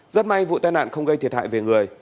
rất may vụ tai nạn không gây thiệt hại về người